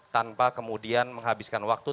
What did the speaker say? tanpa kemudian menghabiskan waktu